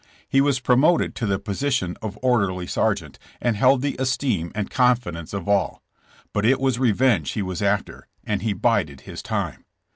He was promoted to the position of orderly sergeant, and held the esteem and confidence of all. But it w^as revenge he was after, and he bided his time.